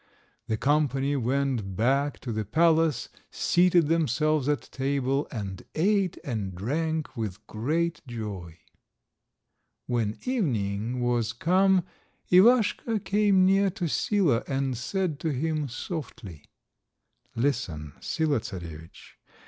The company went back to the palace, seated themselves at table, and ate and drank with great joy. When evening was come Ivaschka came near to Sila, and said to him softly— "Listen, Sila Czarovitch.